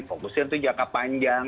fokusnya untuk jangka panjang